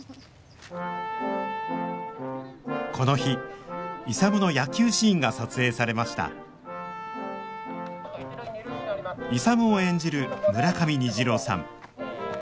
この日勇の野球シーンが撮影されました勇を演じる村上虹郎さん